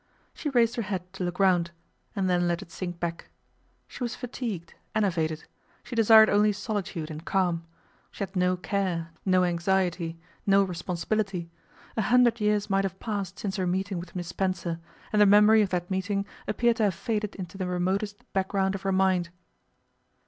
She raised her head to look round, and then let it sink back: she was fatigued, enervated; she desired only solitude and calm; she had no care, no anxiety, no responsibility: a hundred years might have passed since her meeting with Miss Spencer, and the memory of that meeting appeared to have faded into the remotest background of her mind.